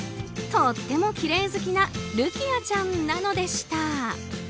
とってもきれい好きなるきあちゃんなのでした。